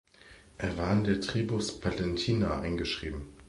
Er war in der Tribus "Palatina" eingeschrieben.